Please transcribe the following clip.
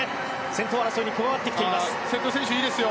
先頭争いに加わっています。